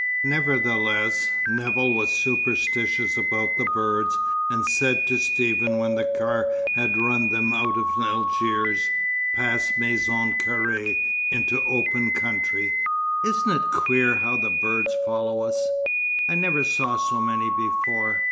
Nevertheless, Nevill was superstitious about the birds, and said to Stephen when the car had run them out of Algiers, past Maison Carré, into open country: "Isn't it queer how the birds follow us? I never saw so many before.